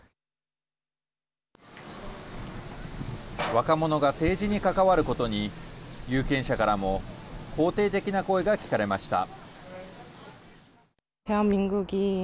若者が政治に関わることに有権者からも肯定的な声が聞かれました。